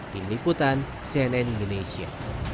tim liputan cnn indonesia